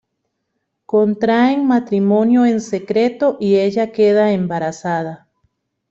Contraen matrimonio en secreto y ella queda embarazada.